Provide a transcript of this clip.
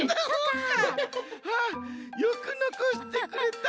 ああよくのこしてくれた。